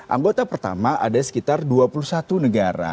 anggota pertama ada sekitar dua puluh satu negara